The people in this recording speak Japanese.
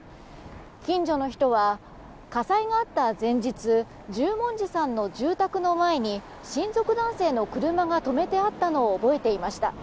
近所の人は、火災があった前日十文字さんの住宅の前に親族男性の車が止めてあったのを覚えていました。